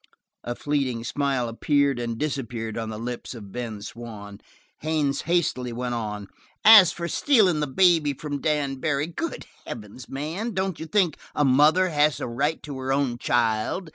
A fleeting smile appeared and disappeared on the lips of Ben Swann. Haines hastily went on: "As for stealing the baby from Dan Barry, good heavens, man, don't you think a mother has a right to her own child?